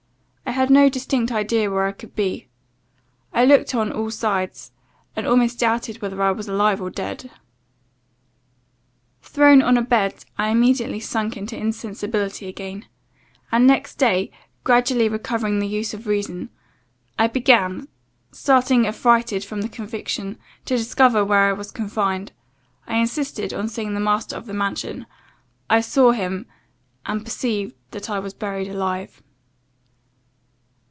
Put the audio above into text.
I had no distinct idea where I could be I looked on all sides, and almost doubted whether I was alive or dead. "Thrown on a bed, I immediately sunk into insensibility again; and next day, gradually recovering the use of reason, I began, starting affrighted from the conviction, to discover where I was confined I insisted on seeing the master of the mansion I saw him and perceived that I was buried alive.